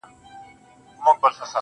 ما چي کوټې ته له آسمان څخه سپوږمۍ راوړې~